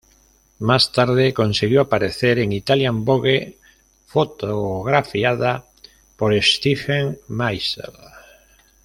Más tarde consiguió aparecer en Italian Vogue, fotografiada por Steven Meisel.